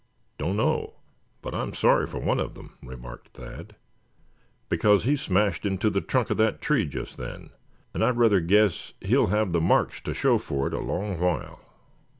"Don't know; but I'm sorry for one of them," remarked Thad; "because he smashed into the trunk of that tree just then; and I rather guess he'll have the marks to show for it a long while."